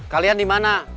kalian di mana